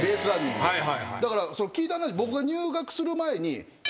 だから聞いた話僕が入学する前に。